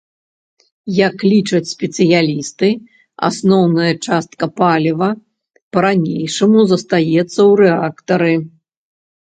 Як лічаць спецыялісты, асноўная частка паліва па-ранейшаму застаецца ў рэактары.